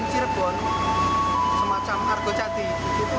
antusias penggunaan jasa angkutan kereta api sangat tinggi